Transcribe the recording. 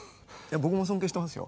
僕も尊敬してるよ。